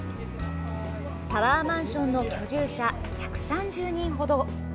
タワーマンションの居住者１３０人ほど。